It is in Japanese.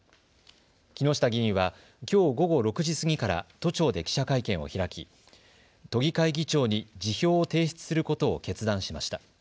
木下議員はきょう午後６時過ぎから都庁で記者会見を開き都議会議長に辞表を提出することを決断しました。